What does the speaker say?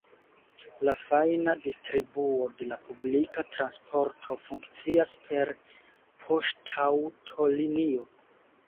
La fajna distribuo de la publika transporto funkcias per poŝtaŭtolinio.